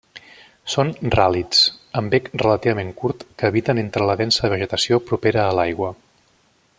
Són ràl·lids amb bec relativament curt que habiten entre la densa vegetació propera a l'aigua.